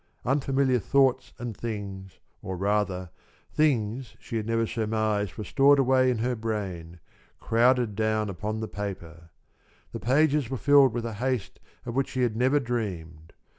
Unfamiliar thoughts and things, or, rather, things she never had surmised were stored away in her brain, crowded down upon the paper. The pages were filled with a haste of which she had never dreamed.